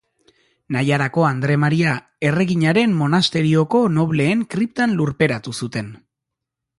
Naiarako Andre Maria Erreginaren monasterioko nobleen kriptan lurperatu zuten.